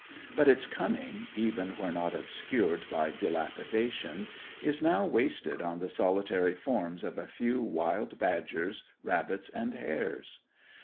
But its cunning, even where not obscured by dilapidation, is now wasted on the solitary forms of a few wild badgers, rabbits, and hares.